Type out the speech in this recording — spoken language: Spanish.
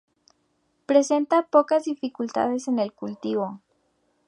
Presenta pocas dificultades en el cultivo.